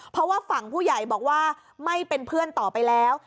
เพราะว่าฝั่งผู้ใหญ่บอกว่าไม่เป็นเพื่อนต่อไปแล้ว